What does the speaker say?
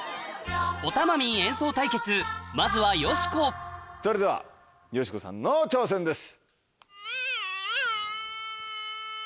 オタマミン演奏対決まずはそれではよしこさんの挑戦です。